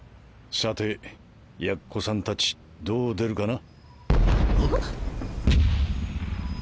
さてやっこさんたちどう出るかな？